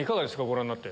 ご覧になって。